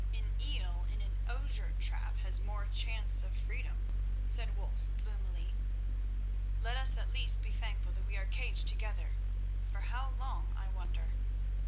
"An eel in an osier trap has more chance of freedom," said Wulf gloomily. "Let us at least be thankful that we are caged together—for how long, I wonder?"